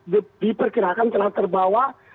diperkirakan telah terbawa